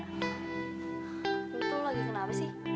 tidak tau lagi kenapa sih